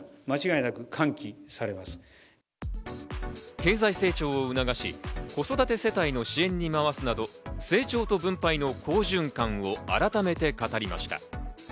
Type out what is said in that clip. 経済成長を促し、子育て世帯の支援に回すなど、成長と分配の好循環を改めて語りました。